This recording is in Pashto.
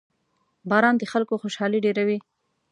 • باران د خلکو خوشحالي ډېروي.